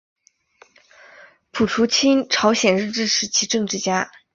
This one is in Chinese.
朴春琴朝鲜日治时期政治家。